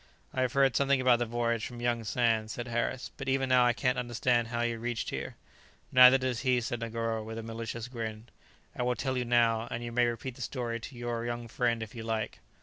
"I have heard something about the voyage from young Sands," said Harris, "but even now I can't understand how you reached here." "Neither does he," said Negoro, with a malicious grin. "I will tell you now, and you may repeat the story to your young friend if you like."